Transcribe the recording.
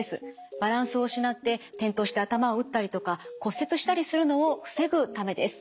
バランスを失って転倒して頭を打ったりとか骨折したりするのを防ぐためです。